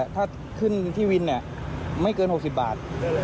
ถ้าขึ้นที่วินไม่เกิน๖๐บาท